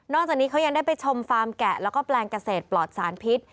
จากนี้เขายังได้ไปชมฟาร์มแกะแล้วก็แปลงเกษตรปลอดสารพิษ